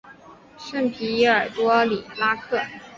圣皮耶尔多里拉克。